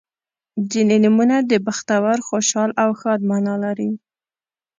• ځینې نومونه د بختور، خوشحال او ښاد معنا لري.